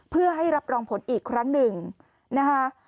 เพื่อให้รับรองผลอีกครั้งหนึ่งนะคะ